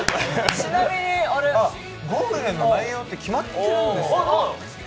ちなみにゴールデンの内容って決まってるんですか？